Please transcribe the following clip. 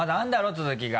続きが。